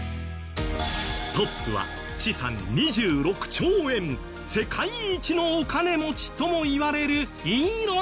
トップは資産２６兆円世界一のお金持ちともいわれるイーロン・マスクさん。